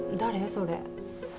それ。